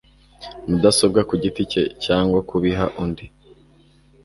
mudasobwa ku giti cye cyangwa kubiha undi